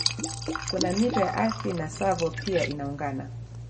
Kuna mito ya Athi na Tsavo pia inaungana